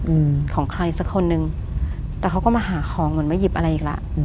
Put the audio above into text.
อืมของใครสักคนนึงแต่เขาก็มาหาของเหมือนมาหยิบอะไรอีกแล้วอืม